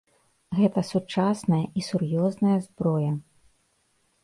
Гэта сучасная і сур'ёзная зброя.